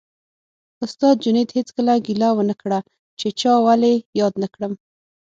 استاد جنید هېڅکله ګیله ونه کړه چې چا ولې یاد نه کړم